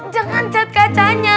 jangan cat kacanya